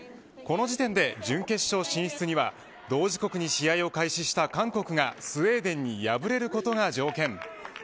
この時点で準決勝進出には同時刻に試合を開始した韓国がスウェーデンに敗れることが条件。